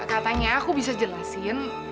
katanya aku bisa jelasin